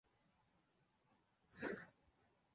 意大利财政卫队是意大利海关及其执法部队的总称。